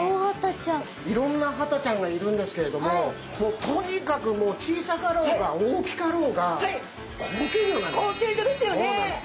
いろんなハタちゃんがいるんですけれどももうとにかくもう小さかろうが大きかろうが高級魚なんです。